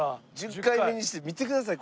１０回目にして見てください